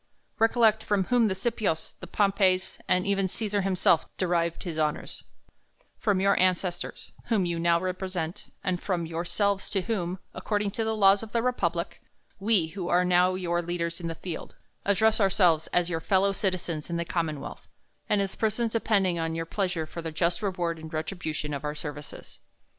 Recollect from whom the Scipios, the Pompeys, and even Cesar himself derived his honors ; from your an cestors, whom you now represent, and from yourselves, to whom, according to the laws of the republic, we, who are now your leaders in the field, address ourselves as your fellow citizens in the commonwealth, and as persons depending on your pleasure for the just reward and retribution of our services.